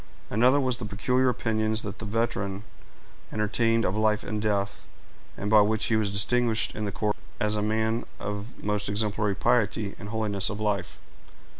Another was the peculiar opinions that the veteran entertained of life and death, and by which he was distinguished in the corps as a man of most exemplary piety and holiness of life.